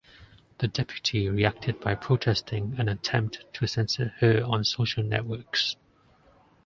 The deputy reacted by protesting an attempt to censor her on social networks.